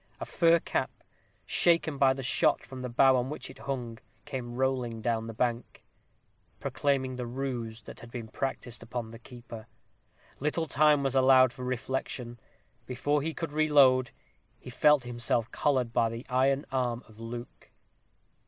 A fur cap, shaken by the shot from the bough on which it hung, came rolling down the bank, proclaiming the ruse that had been practised upon the keeper. Little time was allowed him for reflection. Before he could reload, he felt himself collared by the iron arm of Luke.